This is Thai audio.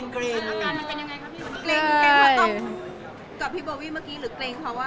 เกรงกับพี่โบวี่เมื่อกี้หรือเกรงเพราะว่า